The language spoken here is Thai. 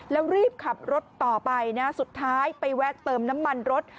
แล้วรีบขับรถต่อไปนะสุดท้ายไปแวะเติมน้ำมันรถ